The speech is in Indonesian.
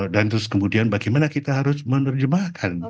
terus kemudian bagaimana kita harus menerjemahkan